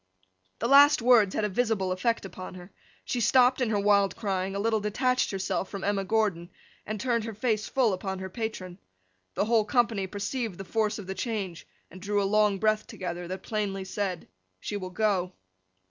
The last words had a visible effect upon her. She stopped in her wild crying, a little detached herself from Emma Gordon, and turned her face full upon her patron. The whole company perceived the force of the change, and drew a long breath together, that plainly said, 'she will go!